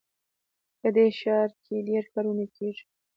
په دې ښار کې ډېر کارونه کیږي